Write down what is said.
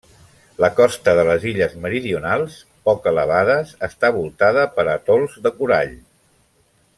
La costa de les illes meridionals, poc elevades, està voltada per atols de corall.